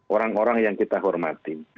orang orang yang kita hormati